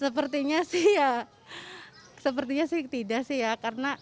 sepertinya sih ya sepertinya sih tidak sih ya